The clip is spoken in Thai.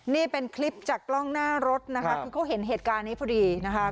นี่เป็นคลิปจากกล้องหน้ารถนะคะคือเขาเห็นเหตุการณ์นี้พอดีนะคะ